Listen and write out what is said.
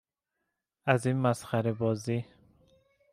از این مسخره بازی